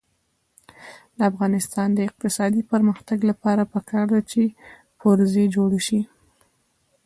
د افغانستان د اقتصادي پرمختګ لپاره پکار ده چې پرزې جوړې شي.